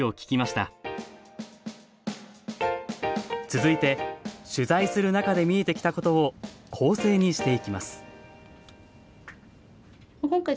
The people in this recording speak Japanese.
続いて取材する中で見えてきたことを構成にしていきます